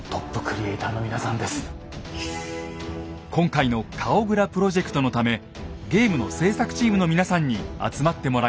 今回の「顔グラプロジェクト」のためゲームの制作チームの皆さんに集まってもらいました。